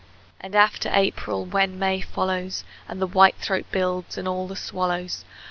And after April, when May follows, And the whitethroat builds, and all the swallows!